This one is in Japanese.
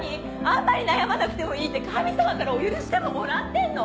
あんまり悩まなくてもいいって神様からお許しでももらってんの？